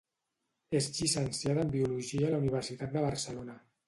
És llicenciada en biologia a la Universitat de Barcelona.